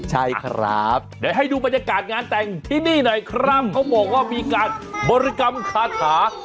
ใช่ครับเดี๋ยวให้ดูบรรยากาศงานแต่งที่นี่หน่อยครับเขาบอกว่ามีการบริกรรมคาถา